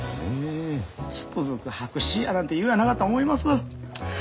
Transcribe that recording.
つくづく白紙やなんて言うんやなかった思います。